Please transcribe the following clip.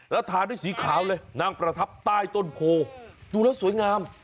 แล้วทาด้วยสีขาวเลยนั่งประทับใต้ต้นโพดูแล้วสวยงาม